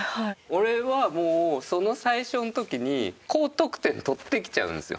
俺はもうその最初の時に高得点取ってきちゃうんですよ。